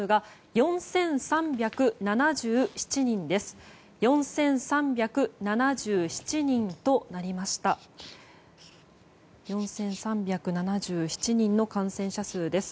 ４３７７人の感染者数です。